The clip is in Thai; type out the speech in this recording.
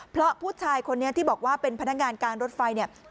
เพราะผู้ชายคนนี้ที่บอกว่าเป็นพนักงานการรถไฟเนี่ย